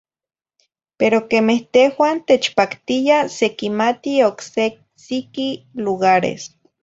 Pero quemeh tehuah techpactiya sequimati oc se siqui lugares.